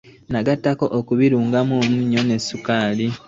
Nagattako okubirungamu omunnyo ne ssukaali.